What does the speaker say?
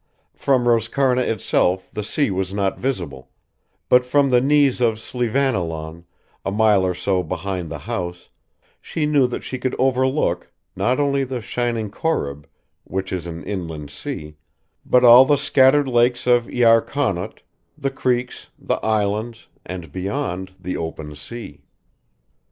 From Roscarna itself the sea was not visible, but from the knees of Slieveannilaun, a mile or so behind the house, she knew that she could overlook, not only the shining Corrib, which is an inland sea, but all the scattered lakelets of Iar Connaught, the creeks, the islands, and beyond, the open sea.